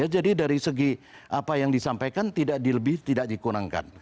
jadi dari segi apa yang disampaikan tidak dilebih tidak dikurangkan